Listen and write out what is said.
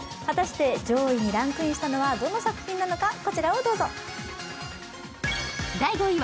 果たして上位にランクインしたのはどの作品なのか。